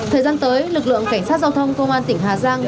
thời gian tới lực lượng cảnh sát giao thông công an tỉnh hà giang